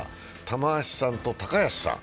玉鷲さんと高安さん。